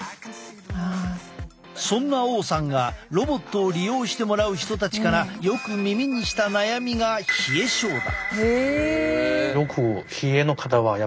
そんな王さんがロボットを利用してもらう人たちからよく耳にした悩みが冷え症だ。